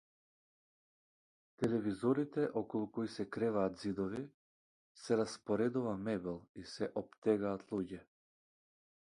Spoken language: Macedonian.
Телевизорите околу кои се креваат ѕидови, се распоредува мебел и се оптегаат луѓе.